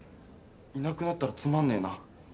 いなくなったらつまんねえな。